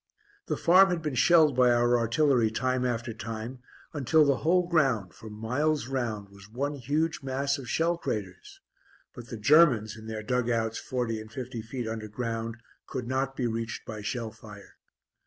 The farm had been shelled by our artillery time after time, until the whole ground for miles round was one huge mass of shell craters, but the Germans, in their dug outs forty and fifty feet underground, could not be reached by shell fire.